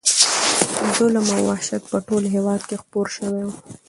ظلم او وحشت په ټول هېواد کې خپور شوی و.